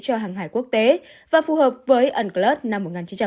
cho hàng hải quốc tế và phù hợp với unclus năm một nghìn chín trăm tám mươi hai